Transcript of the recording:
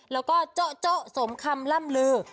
แล้วก็โจ๊ะสมคำล่ำลือ